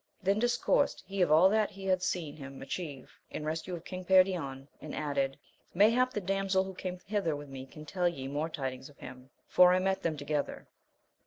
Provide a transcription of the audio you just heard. Then discoursed he of all that he had seen him atchieve in rescue of King Perion, and added. Mayhap the damsel who came hither with me can tell ye more tidings of him, for I met them together.